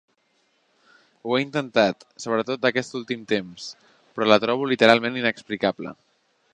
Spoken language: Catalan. Ho he intentat, sobretot aquests últims temps, però la trobo literalment inexplicable.